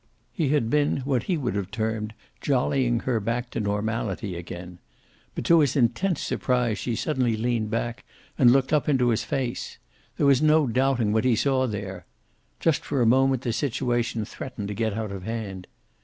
He had been what he would have termed jollying her back to normality again. But to his intense surprise she suddenly leaned back and looked up into his face. There was no doubting what he saw there. Just for a moment the situation threatened to get out of hand.